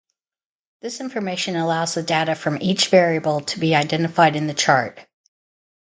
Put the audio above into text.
This information allows the data from each variable to be identified in the chart.